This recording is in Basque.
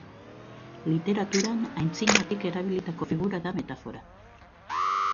Literaturan antzinatik erabilitako figura da metafora.